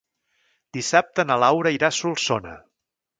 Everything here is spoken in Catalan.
Dissabte na Laura irà a Solsona.